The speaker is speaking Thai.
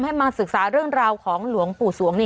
มาศึกษาเรื่องราวของหลวงปู่สวง